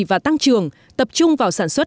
và tăng trường tập trung vào sản xuất